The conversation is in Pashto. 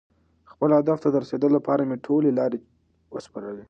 خپل هدف ته د رسېدو لپاره مې ټولې لارې وسپړلې.